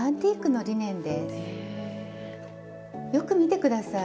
よく見て下さい。